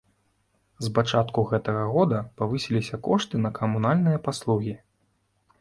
З пачатку гэтага года павысіліся кошты на камунальныя паслугі.